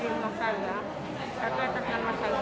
dia nggak mau bayar pendadakan administrasi di masalah